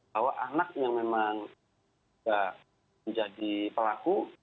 bahwa anak yang memang sudah menjadi pelaku